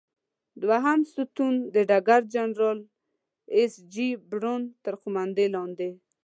دوهم ستون د ډګر جنرال ایس جې براون تر قوماندې لاندې.